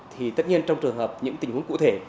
thì tất nhiên trong trường hợp những tình huống cụ thể